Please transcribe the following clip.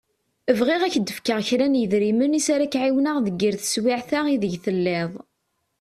Bɣiɣ ad k-d-fkeɣ kra n yedrimen iss ara k-εiwneɣ deg yir taswiεt-a ideg telliḍ.